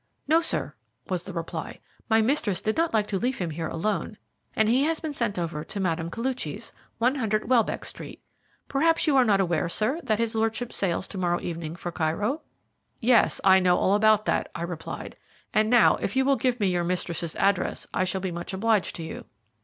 "No, sir," was the reply. "My mistress did not like to leave him here alone, and be has been sent over to Mme. Koluchy's, 100, Welbeck Street. Perhaps you are not aware, sir, that his lordship sails to morrow evening for Cairo?" "Yes, I know all about that," I replied "and now, if you will give me your mistress's address, I shall be much obliged to you."